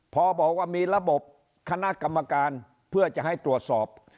พอบอกว่ามีระบบคณะกรรมการเพื่อจะให้ตรวจสอบ